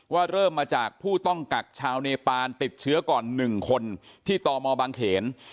เริ่มมาจากผู้ต้องกักชาวเนปานติดเชื้อก่อน๑คนที่ตมบางเขน